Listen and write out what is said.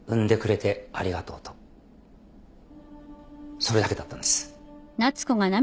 それだけだったんです。